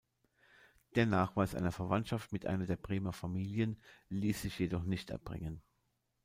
Der Nachweis einer Verwandtschaft mit einer der Bremer Familien ließ sich jedoch nicht erbringen.